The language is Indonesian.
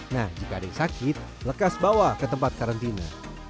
nah jika ada yang sakit lekas bawa ke tempat karantina